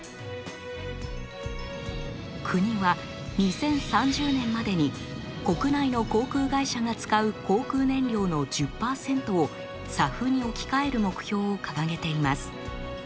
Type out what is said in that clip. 国は２０３０年までに国内の航空会社が使う航空燃料の１０％をＳＡＦに置き換える目標を掲げています。